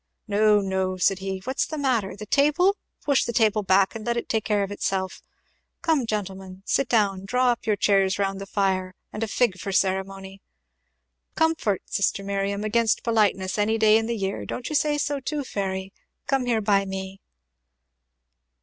"No, no," said he, "what's the matter? the table? Push the table back, and let it take care of itself, come, gentlemen, sit down draw up your chairs round the fire, and a fig for ceremony! Comfort, sister Miriam, against politeness, any day in the year; don't you say so too, Fairy? Come here by me."